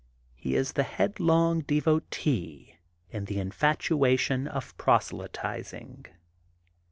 He is the headlong devotee in the infatuation of proselyting.